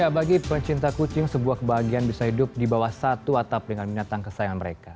bagi pencinta kucing sebuah kebahagiaan bisa hidup di bawah satu atap dengan binatang kesayangan mereka